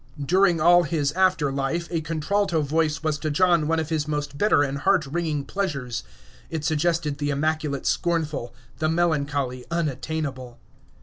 During all his after life a contralto voice was to John one of his most bitter and heart wringing pleasures. It suggested the immaculate scornful, the melancholy unattainable.